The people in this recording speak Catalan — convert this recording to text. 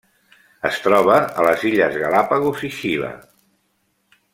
Es troba a les Illes Galápagos i Xile.